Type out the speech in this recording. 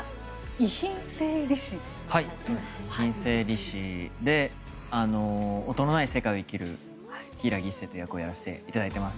遺品整理士で音のない世界を生きる柊一星という役をやらせていただいています。